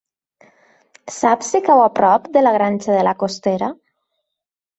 Saps si cau a prop de la Granja de la Costera?